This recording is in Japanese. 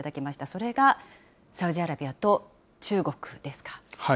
それがサウジアラビアと中国ですか。